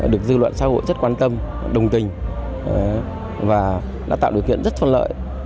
được dư luận xã hội rất quan tâm đồng tình và đã tạo điều kiện rất thuận lợi